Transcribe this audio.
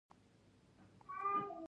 کميسونه ونغاړه